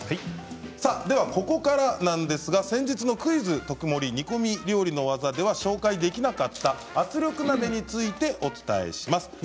ここからなんですが先日の「クイズとくもり」煮込み料理の技では紹介できなかった圧力鍋についてお伝えします。